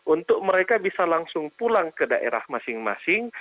untuk mereka bisa langsung pulang ke daerah masing masing